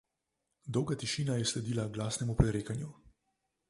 Dolga tišina je sledila glasnemu prerekanju.